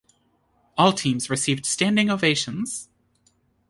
All teams received standing ovations.